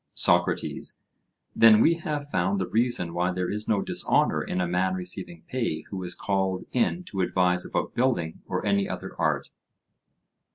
SOCRATES: Then we have found the reason why there is no dishonour in a man receiving pay who is called in to advise about building or any other art?